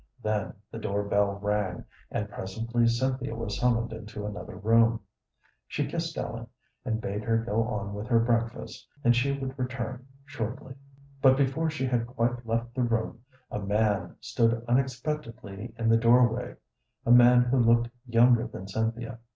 Then the door bell rang, and presently Cynthia was summoned into another room. She kissed Ellen, and bade her go on with her breakfast and she would return shortly; but before she had quite left the room a man stood unexpectedly in the door way, a man who looked younger than Cynthia.